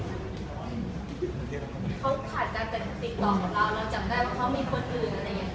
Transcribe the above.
เขาขาดการติดต่อกับเราเราจับได้ว่าเขามีคนอื่นอะไรอย่างนี้